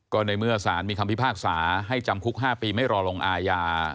ก็ในเมื่อสารมีคำพิพากษาให้จำคุก๕ปีไม่รอลงอาญา